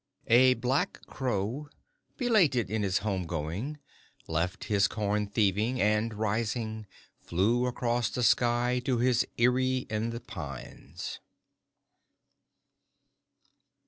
... A black crow, belated in his home going, left his corn thieving, and, rising, flew across the sky to his eyrie in the pines.